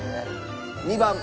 ２番。